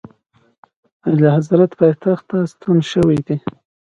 اعلیحضرت پایتخت ته ستون شوی دی.